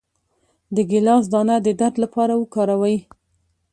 د ګیلاس دانه د درد لپاره وکاروئ